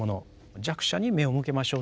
弱者に目を向けましょうという。